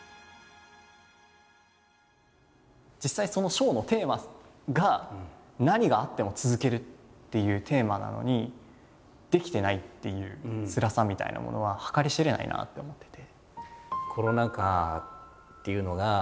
実際そのショーのテーマが「何があっても続ける」っていうテーマなのにできてないっていうつらさみたいなものは計り知れないなって思ってて。